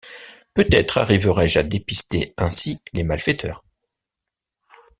Peut-être arriverai-je à dépister ainsi les malfaiteurs!...